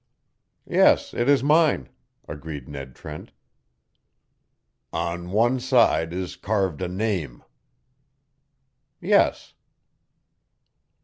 "Yes, it is mine," agreed Ned Trent. "On one side is carved a name." "Yes."